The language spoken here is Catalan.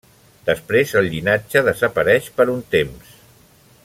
Després el llinatge desapareix per un temps.